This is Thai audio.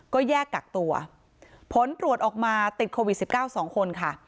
ก็แยกกักตัวผลตรวจออกมาติดโควิดสิบเก้าสองคนค่ะ